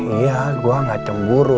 iya gue gak cemburu